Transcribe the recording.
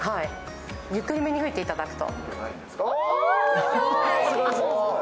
ゆっくりめに吹いていただくと。